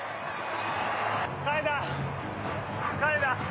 疲れた！